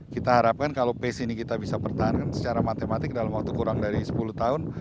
kita harapkan kalau pace ini kita bisa pertahankan secara matematik dalam waktu kurang dari sepuluh tahun